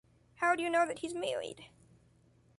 How do you know that he’s married?